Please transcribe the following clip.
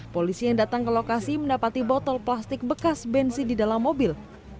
polisi yang datang ke lokasi mendapati botol plastik bekas bensi di dalam mobil